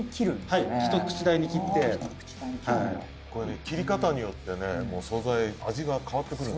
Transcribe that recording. はい一口大に切ってこれ切り方によって素材味が変わってくるんだよね